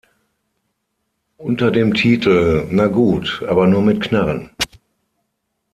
Unter dem Titel "Na gut, aber nur mit Knarren!